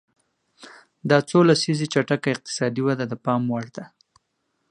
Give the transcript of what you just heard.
دا څو لسیزې چټکه اقتصادي وده د پام وړ ده.